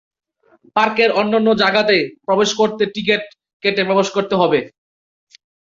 পার্কের অন্যান্য জায়গাতে প্রবেশ করতেও টিকেট কেটে প্রবেশ করতে হবে।